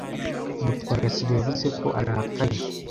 Mutwara sibo yavuze ko arakaye.